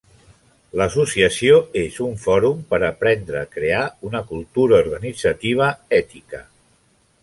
L'associació és un fòrum per aprendre a crear una cultura organitzativa ètica.